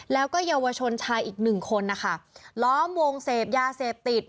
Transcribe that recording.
แล้วก็เยาวชนชายอีกหนึ่งคนนะคะล้อมวงเสพยาเสพติด